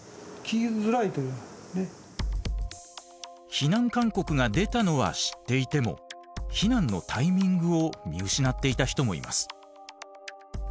避難勧告が出たのは知っていても避難のタイミングを見失っていた人もいます。